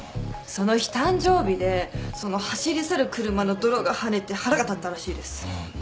その日誕生日でその走り去る車の泥が跳ねて腹が立ったらしいです。